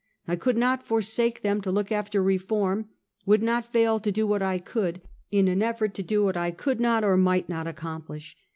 I could not forsake them to look after reform ; would not fail to do what I could, in an efibrt to do what I could not or might not accomplish.